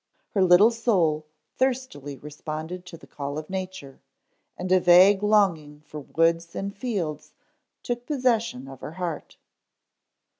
Her little soul thirstily responded to the call of nature and a vague longing for woods and fields took possession of her heart.